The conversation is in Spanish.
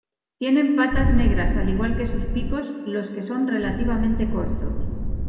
Tienen patas negras, al igual que sus picos, los que son relativamente cortos.